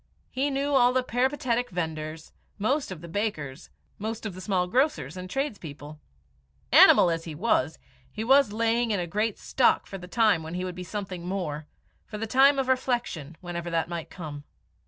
He knew all the peripatetic vendors, most of the bakers, most of the small grocers and tradespeople. Animal as he was, he was laying in a great stock for the time when he would be something more, for the time of reflection, whenever that might come.